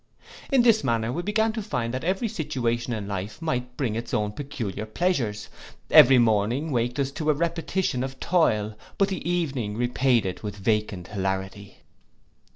In this manner we began to find that every situation in life might bring its own peculiar pleasures: every morning waked us to a repetition of toil; but the evening repaid it with vacant hilarity.